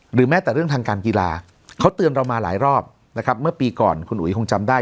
แม้แต่เรื่องทางการกีฬาเขาเตือนเรามาหลายรอบนะครับเมื่อปีก่อนคุณอุ๋ยคงจำได้